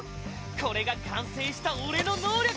これが完成した俺の能力！